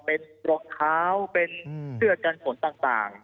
เป็นรอบเท้าเป็นเสือการผลต่าง